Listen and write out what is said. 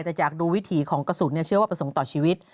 แต่จากดูวิถีของกระสุนเชื่อว่าประสงค์ต่อชีวิต